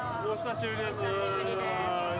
お久しぶりです。